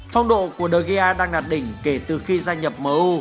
phong độ của de gea đang đạt đỉnh kể từ khi gia nhập m u